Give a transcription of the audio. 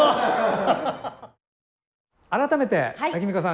改めてタキミカさん